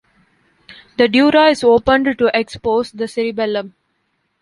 The dura is opened to expose the cerebellum.